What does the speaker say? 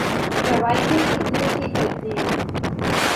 روایتی چھٹنی کی ترتیب